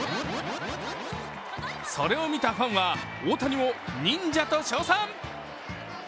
それを見たファンは大谷を忍者と称賛。